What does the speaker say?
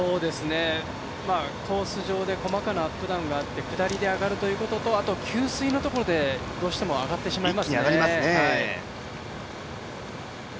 コース上で細かなアップダウンがあって、下りで上がるというところと、給水のところで一気に上がってしまいますね。